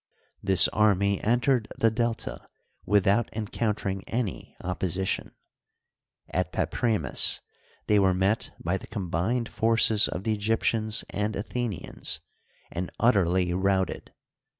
This army entered the Delta with out encountering any opposition. At Papremis they were met by the combined forces of the Egyptians and Athe nians and utterly routed.